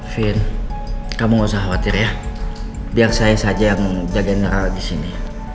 vin kamu gak usah khawatir ya biar saya saja yang jagain darah disini